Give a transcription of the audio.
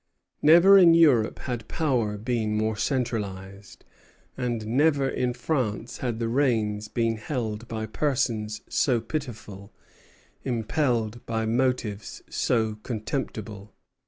Never in Europe had power been more centralized, and never in France had the reins been held by persons so pitiful, impelled by motives so contemptible.